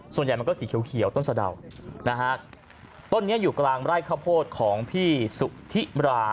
ส่วนใหญ่มันก็สีเขียวต้นสะดาวนะฮะต้นนี้อยู่กลางไร่ข้าวโพดของพี่สุธิรา